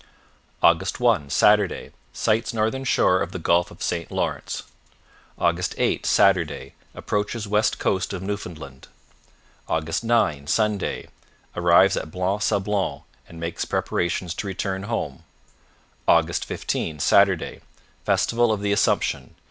Aug. 1 Saturday Sights northern shore of the Gulf of St Lawrence. " 8 Saturday Approaches west coast of Newfoundland. " 9 Sunday Arrives at Blanc Sablon, and makes preparations to return home. " 15 Saturday Festival of the Assumption.